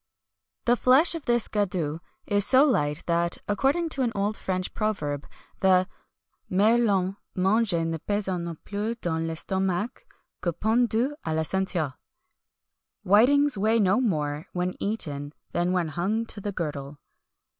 The flesh of this gadus is so light that, according to an old French proverb, the "Merlans mangée ne pèsant non plus dans l'estomac que pendus à la ceinture."[XXI 152] "Whitings weigh no more when eaten than when hung to the girdle."